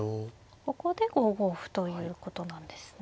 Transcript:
ここで５五歩ということなんですね。